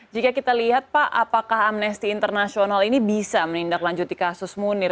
jika kita lihat pak apakah amnesty international ini bisa menindaklanjuti kasus munir